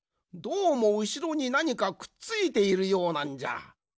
どうもうしろになにかくっついているようなんじゃ。